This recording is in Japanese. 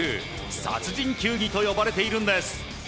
殺人球技と呼ばれているんです。